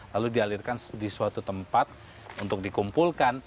lalu dialirkan di suatu tempat untuk dikumpulkan